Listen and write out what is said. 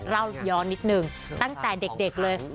เล่าย้อนนิดนึงตั้งแต่เด็กเลย